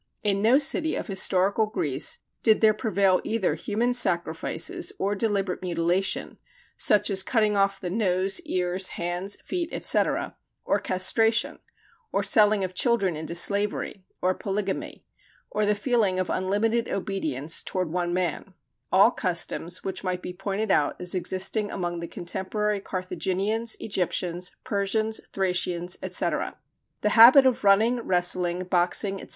In no city of historical Greece did there prevail either human sacrifices or deliberate mutilation, such as cutting off the nose, ears, hands, feet, etc.; or castration; or selling of children into slavery; or polygamy; or the feeling of unlimited obedience toward one man: all customs which might be pointed out as existing among the contemporary Carthaginians, Egyptians, Persians, Thracians, etc. The habit of running, wrestling, boxing, etc.